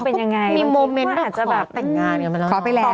ใช่มีโมเมนต์มึงขอแต่งงานกันบ้าง